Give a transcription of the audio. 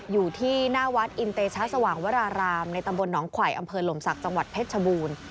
อยู่ที่หน้าวัดอินเตชะสว่างวรารามในตำบลหนองไขว่อำเภอหลมศักดิ์จังหวัดเพชรชบูรณ์